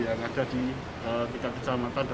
tiga kecamatan dan di tps